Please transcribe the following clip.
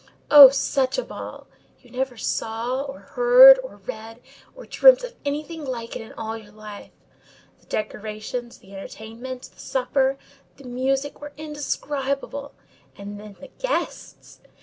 Oh, such a ball! You never saw or heard, or read, or dreamt of anything like it in all your life. The decorations, the entertainment, the supper, the music were indescribable! and then the guests!